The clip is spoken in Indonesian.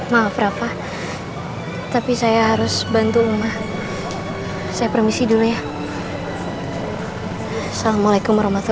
maaf rafa tapi saya harus bantu rumah saya permisi dulu ya assalamualaikum warahmatullahi wabarakatuh